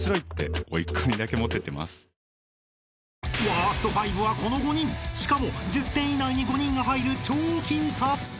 ［ワースト５はこの５人しかも１０点以内に５人が入る超僅差］